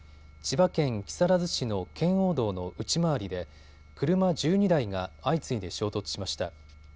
千葉県木更津市の圏央道の内回りで車１２台が相次いで衝突しました。